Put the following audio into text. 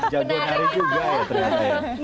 jago nari juga ya trian